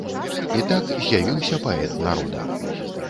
І так з'явіўся паэт народа.